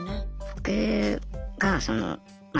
僕がそのまあ